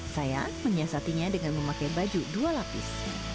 saya menyiasatinya dengan memakai baju dua lapis